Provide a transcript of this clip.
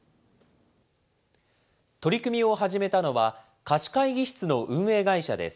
取り組みを始めたのは、貸会議室の運営会社です。